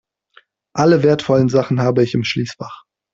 Alle wertvollen Sachen habe ich im Schließfach.